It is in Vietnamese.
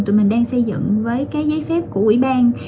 tụi mình đang xây dựng với cái giấy phép của quỹ ban